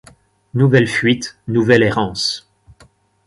Nouvelle fuite, nouvelle errance.